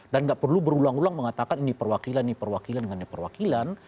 dan tidak perlu berulang ulang mengatakan ini perwakilan ini perwakilan ini perwakilan